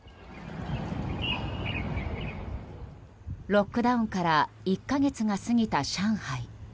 ロックダウンから１か月が過ぎた上海。